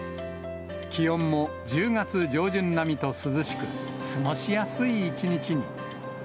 気温も１０月上旬並みと涼しく、過ごしやすい一日に。